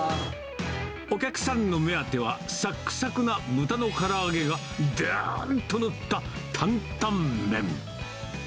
お客さんの目当ては、さっくさくな豚のから揚げがどーんと載った担々麺。